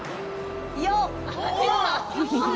よっ。